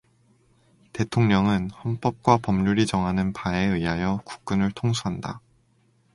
대통령은 헌법과 법률이 정하는 바에 의하여 국군을 통수한다.